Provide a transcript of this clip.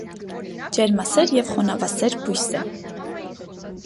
Ջերմասեր և խոնավասեր բույս է։